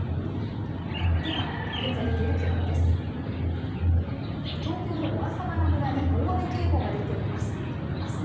では現在出ている警報です。